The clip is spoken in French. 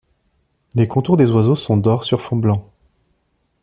Les contours des oiseaux sont d'or sur fond blanc.